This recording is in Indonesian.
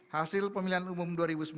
hasil pemilihan umum dua ribu sembilan belas